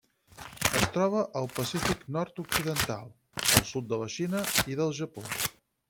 Es troba al Pacífic nord-occidental: el sud de la Xina i del Japó.